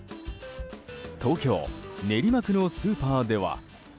東京・練馬区のスーパーでは。